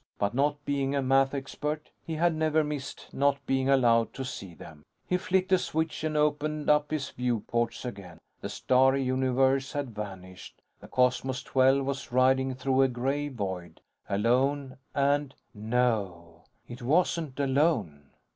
But not being a math expert, he had never missed not being allowed to see them. He flicked a switch and opened up his viewports again. The starry universe had vanished. The Cosmos XII was riding through a gray void. Alone and No, it wasn't alone!